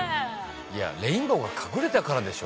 いやレインボーが隠れたからでしょ